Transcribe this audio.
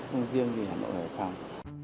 không riêng gì hà nội hải phòng